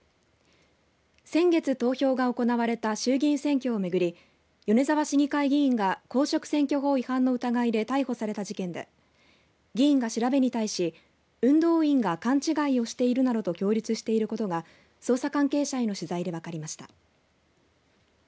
先月、投票が行われた衆議院選挙をめぐり米沢市議会議員が公職選挙法違反の疑いで逮捕された事件で議員が調べに対し運動員が勘違いをしているなどと供述していることが捜査関係者への取材で分かりました。